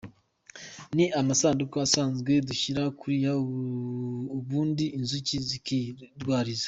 Ni amasanduka asanzwe dushyira hariya ubundi inzuki zikirwariza”.